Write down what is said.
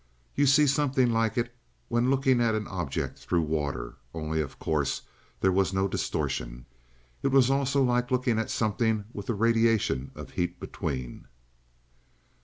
You see something like it when looking at an object through water only, of course, there was no distortion. It was also like looking at something with the radiation of heat between.